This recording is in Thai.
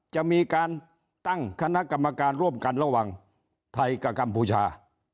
จะมีการตั้งคณะกรรมการร่วมกันระหว่างไทยกับกัมพูชา